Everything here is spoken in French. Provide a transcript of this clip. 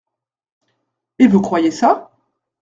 Et vous croyez ça ?